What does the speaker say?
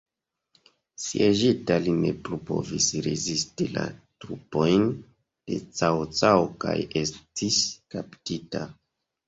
Sieĝita li ne plu povis rezisti la trupojn de Cao Cao kaj estis kaptita.